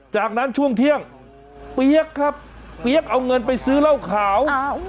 จากนั้นช่วงเที่ยงเปี๊ยกครับเปี๊ยกเอาเงินไปซื้อเหล้าขาว